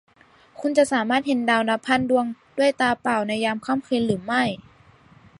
คุณจะสามารถเห็นดาวนับพันดวงด้วยตาเปล่าในยามค่ำคืนหรือไม่ ?